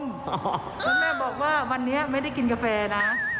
แล้วแม่บอกว่าวันนี้ไม่ได้กินกาแฟนะ